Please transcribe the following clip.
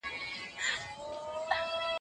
ملګري هم سر نه خلاصوي،